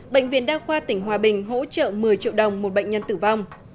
bệnh viện đa khoa tỉnh hòa bình hỗ trợ một mươi triệu đồng một bệnh nhân tử vong